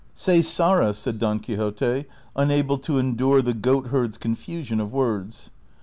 " Say Sara," said Don Quixote, unable to endure the goat herd's confusion of words.